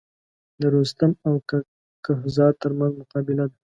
د رستم او کک کهزاد تر منځ مقابله ده.